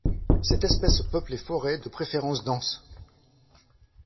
Cette espèce peuple les forêts de préférence denses.